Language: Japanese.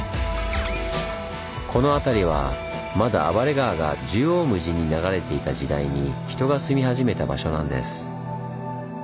この辺りはまだ暴れ川が縦横無尽に流れていた時代に人が住み始めた場所なんです。